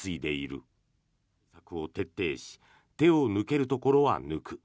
感染対策を徹底し手を抜けるところは抜く